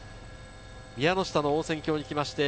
宮ノ下の温泉郷にきました。